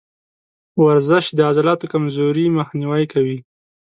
ورزش د عضلاتو کمزوري مخنیوی کوي.